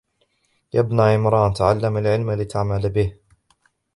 يَا ابْنَ عِمْرَانَ تَعَلَّمْ الْعِلْمَ لِتَعْمَلَ بِهِ